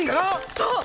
そう！